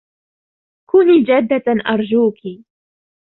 كوني جادًّة أرجوكِ.